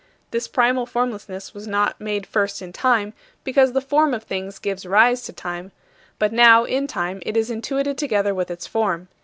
This primal formlessness was not made first in time, because the form of things gives rise to time; but now, in time, it is intuited together with its form.